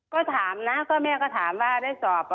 ก็ถามนะก็แม่ก็ถามว่าได้สอบ